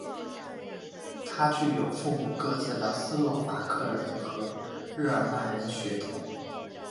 他具有母父各自的斯洛伐克人和日耳曼人血统。